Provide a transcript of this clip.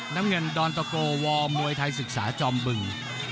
น้ำเงินดอนตะโกวมวยไทยศึกษาจอมบึง